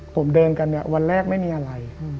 ผมเดินกันเนี่ยวันแรกไม่มีอะไร